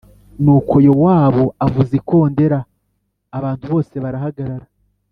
Nuko Yowabu avuza ikondera abantu bose barahagarara